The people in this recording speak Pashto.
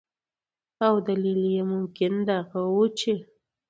او دلیل یې ممکن دغه ؤ چې